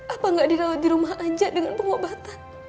apa nggak dirawat di rumah aja dengan pengobatan